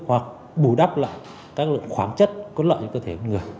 hoặc bù đắp lại các lượng khoáng chất có lợi cho cơ thể con người